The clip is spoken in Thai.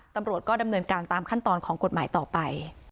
ตำรวจก็ดำเนินการตามขั้นตอนของกฎหมายต่อไป